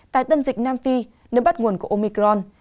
tại tâm dịch nam phi nơi bắt nguồn của omicron